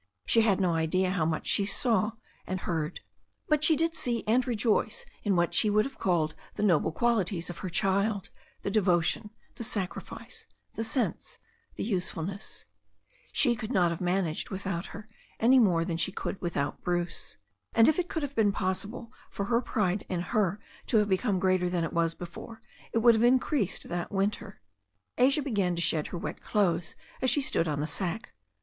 She had no idea how much she saw and heard. But she did see and rejoice in what she would have called the noble qualities of her child: the devotion, the sacrifice, the sense, the usefulness. She could not have managed THE STORY OF A NEW ZEALAND RIVER 177 without her any more than she could without Bruce. And, if it could have been possible for her pride in her to have become greater than it was before, it would have increased that winter. Asia began to shed her wet clothes as she stood on the sack.